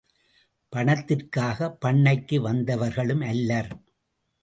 பணத்திற்காகப் பண்ணைக்கு வந்தவர்களும் அல்லர்.